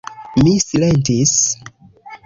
Mi silentis.